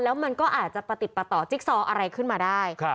แล้วมันก็อาจจะประติดประต่อจิ๊กซออะไรขึ้นมาได้